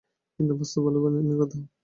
কিন্তু বাস্তবতা বলে ভিন্নকথা।